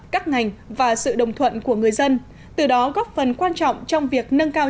các ngành và sự đồng thuận của người dân từ đó góp phần quan trọng trong việc nâng cao